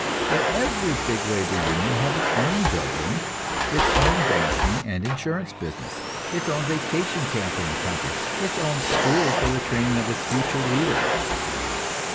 Let every big labor union have its own building, its own banking and insurance business, its own vacation camp in the country, its own school for training its future leaders.